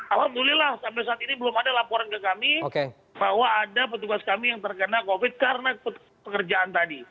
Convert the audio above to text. alhamdulillah sampai saat ini belum ada laporan ke kami bahwa ada petugas kami yang terkena covid karena pekerjaan tadi